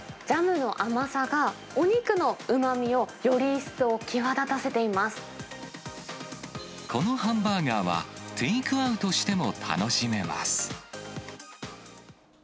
ジャムの甘さが、お肉のうまみをこのハンバーガーは、テイクアウトしても楽しめます。